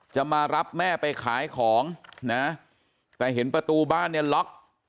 จะมารับแม่ไปขายของนะแต่เห็นประตูบ้านเนี่ยล็อก